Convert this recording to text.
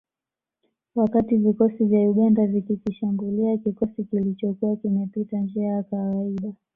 Wakati vikosi vya Uganda vikikishambulia kikosi kilichokuwa kimepita njia ya kawaida